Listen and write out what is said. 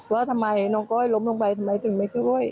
ว่าทำไมน้องก้อยล้มลงไปทำไมถึงไม่ช่วย